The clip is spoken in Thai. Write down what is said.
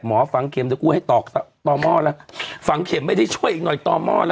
ฝังเข็มเดี๋ยวกูให้ตอกต่อหม้อแล้วฝังเข็มไม่ได้ช่วยอีกหน่อยต่อหม้อนะ